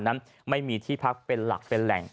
นั้นไม่มีที่พักเป็นหลักเป็นแหล่ง